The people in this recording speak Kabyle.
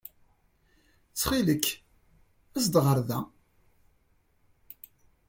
Ttxil-k, as-d ɣer da.